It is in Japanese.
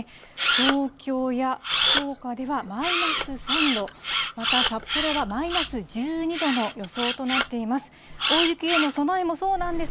東京や福岡ではマイナス３度、また札幌はマイナス１２度の予想となっています。